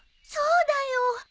そうだよ。